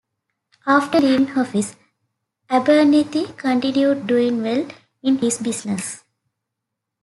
After leaving office, Abernethy continued doing well in his business.